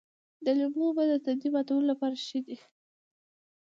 د لیمو اوبه د تندې ماتولو لپاره ښې دي.